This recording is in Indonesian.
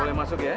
boleh masuk ya